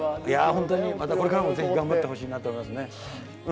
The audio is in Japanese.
いやー、本当にこれからもぜひ頑張ってほしいと思いますね。